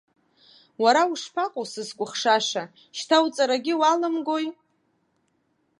Уара ушԥаҟоу, сызкәыхшаша, шьҭа уҵарагьы уалымгои?